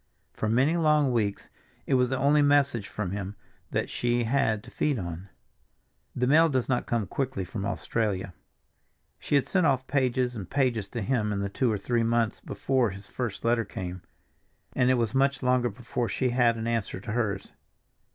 For many long weeks it was the only message from him that she had to feed on. The mail does not come quickly from Australia. She had sent off pages and pages to him in the two or three months before his first letter came, and it was much longer before she had an answer to hers.